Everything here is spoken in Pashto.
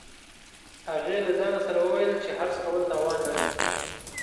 هغې له ځان سره وویل چې حرص کول تاوان لري